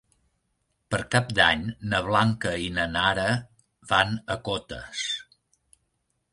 Per Cap d'Any na Blanca i na Nara van a Cotes.